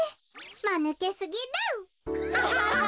まぬけすぎる。